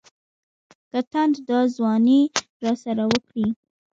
که تاند دا ځواني راسره وکړي.